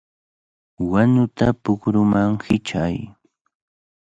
¡Wanuta pukruman hichay!